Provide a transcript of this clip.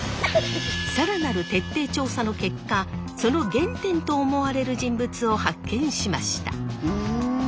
更なる徹底調査の結果その原点と思われる人物を発見しました。